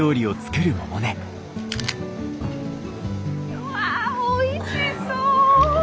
うわおいしそう！